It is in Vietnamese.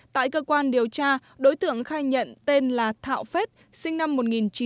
tại cơ quan điều tra đối tượng khai nhận tên là thạo phết sinh năm một nghìn chín trăm tám mươi